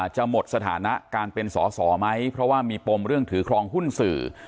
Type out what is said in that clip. จะหมดสถานะการเป็นสอสอไหมเพราะว่ามีปมเรื่องถือครองหุ้นสื่อ